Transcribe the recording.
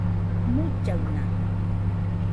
mullaɨna